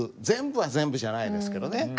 全部は全部じゃないですけどね。